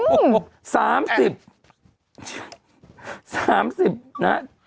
โอ้โฮ